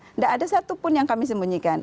tidak ada satupun yang kami sembunyikan